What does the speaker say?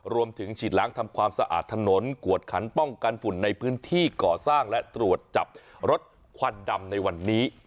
ฉีดล้างทำความสะอาดถนนกวดขันป้องกันฝุ่นในพื้นที่ก่อสร้างและตรวจจับรถควันดำในวันนี้